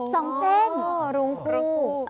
สองเส้นรุ้งครู